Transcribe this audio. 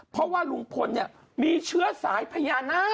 เพราะว่าลุงพลเนี่ยมีเชื้อสายพญานาค